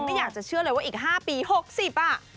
ไม่อยากจะเชื่อเลยว่าอีก๕ปี๖๐อ่ะ